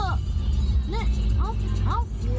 เนี่ยเอ้าเอ้าเหี้ย